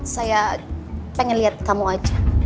saya pengen lihat kamu aja